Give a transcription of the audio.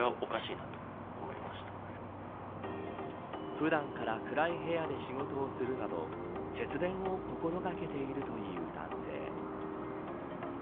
普段から暗い部屋で仕事をするなど節電を心掛けているという男性。